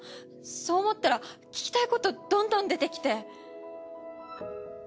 そう思ったら聞きたいことどんどん出てきて。